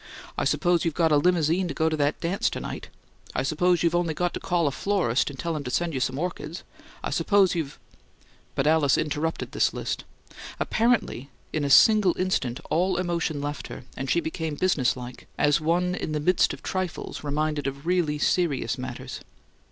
"I suppose you've got a limousine to go to that dance to night? I suppose you've only got to call a florist and tell him to send you some orchids? I suppose you've " But Alice interrupted this list. Apparently in a single instant all emotion left her, and she became businesslike, as one in the midst of trifles reminded of really serious matters.